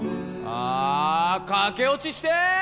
あぁ駆け落ちしてぇ！